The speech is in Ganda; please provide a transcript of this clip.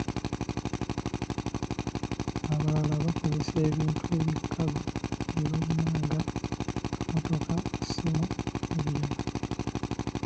Abalala bakozesa ebintu ebikalu bye balina nga, mmotoka, essimu n'ebirala.